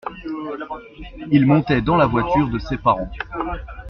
Il montait dans la voiture de ses parents.